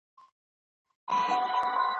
هغه کابل د ښو زلمیو وطن